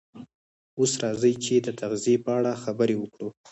اوس راځئ چې د تغذیې په اړه خبرې وکړو